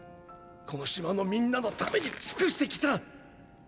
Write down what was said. この島のみんなのために尽くしてきた！